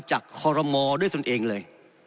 คอรมอด้วยตนเองเลย